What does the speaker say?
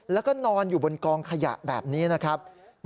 แล้วก็นอนอยู่บนกองขยะแบบนี้นะครับ